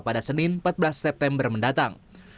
pada senin empat belas september mendatang